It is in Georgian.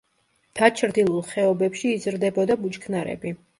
დაჩრდილულ ხეობებში იზრდება ბუჩქნარები.